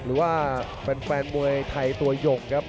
หรือว่าแฟนมวยไทยตัวย่ง